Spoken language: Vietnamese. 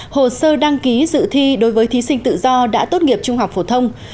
hồ sơ đăng ký dự thi đối với thí sinh tự do đã tốt nghiệp trung học phổ thông